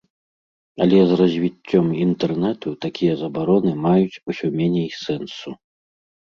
Але з развіццём інтэрнэту такія забароны маюць усё меней сэнсу.